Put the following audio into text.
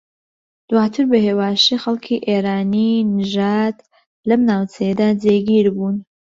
دواتر بە ھێواشی خەڵکی ئێرانی نەژاد لەم ناوچەیەدا جێگیر بوون